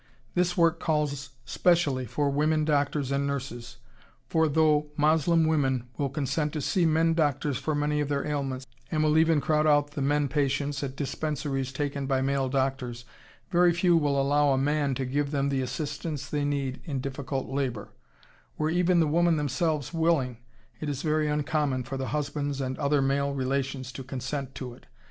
This work calls specially for women doctors and nurses, for though Moslem women will consent to see men doctors for many of their ailments, and will even crowd out the men patients at dispensaries taken by male doctors, very few will allow a man to give them the assistance they need in difficult labour; were even the women themselves willing, it is very uncommon for the husbands and other male relations to consent to it.